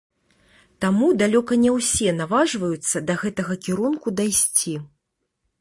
Таму далёка не ўсе наважваюцца да гэтага кірунку дайсці.